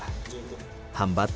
hambatan demi hambatan